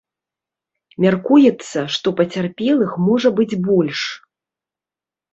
Мяркуецца, што пацярпелых можа быць больш.